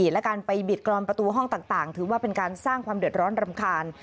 และการไปบิดกรอนประตูห้องต่างถือว่าเป็นการสร้างความเดือดร้อนรำคาญ